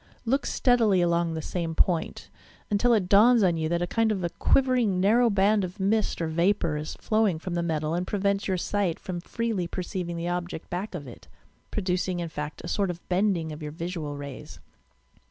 Look steadily along the same point, until it dawns on you that a kind of a quivering, narrow band of mist or vapour is flowing from the metal and prevents your sight from freely perceiving the object back of it, pro ducing, in fact, a sort of bending of your visual rays.